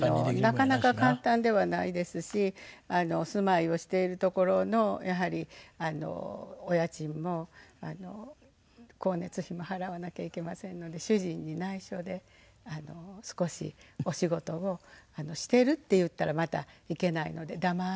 なかなか簡単ではないですし住まいをしている所のやはりお家賃も光熱費も払わなきゃいけませんので主人に内緒で少しお仕事を「してる」って言ったらまたいけないので黙って。